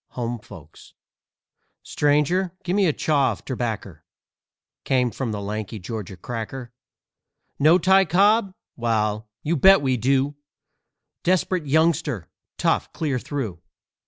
"HOME FOLKS" "Stranger, give me a chaw of terbaccer," Came from the lanky Georgia "cracker." "Know Ty Cobb? Wal, you bet we do! Desperate youngster, tough clear through!